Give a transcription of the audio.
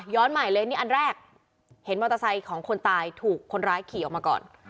ใหม่เลยนี่อันแรกเห็นมอเตอร์ไซค์ของคนตายถูกคนร้ายขี่ออกมาก่อน